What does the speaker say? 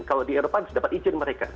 kalau di eropa harus dapat izin mereka